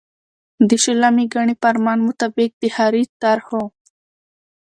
د شلمي ګڼي فرمان مطابق د ښاري طرحو